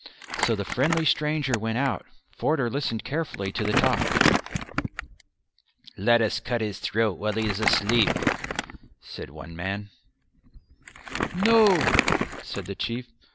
So the friendly stranger went out. Forder listened carefully to the talk. "Let us cut his throat while he is asleep," said one man. "No," said the Chief.